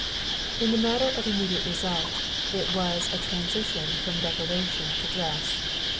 In the matter of immediate result, it was a transition from decoration to dress.